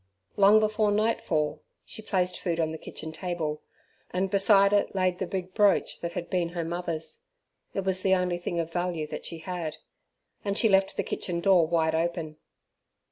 Long before nightfall she placed food on the kitchen table, and beside it laid the big brooch that had been her mother's. It was the only thing of value that she had. And she left the kitchen door wide open.